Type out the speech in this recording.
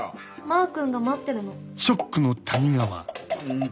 マー君が待ってるの。